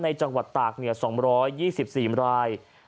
ในจังหวัดตากเนื้อ๒๒๔บราย